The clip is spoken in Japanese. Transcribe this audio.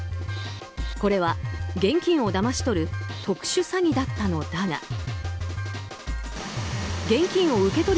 これは現金をだまし取る特殊詐欺だったのだが。